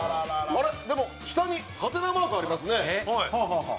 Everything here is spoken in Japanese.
あれっ？でも下にハテナマークありますね。